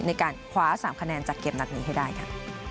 ในการคว้า๓คะแนนจากเกมนัดนี้ให้ได้ค่ะ